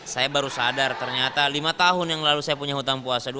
saya baru sadar ternyata lima tahun yang lalu saya punya hutang puasa